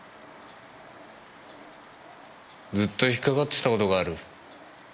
ずっと引っかかってた事がある。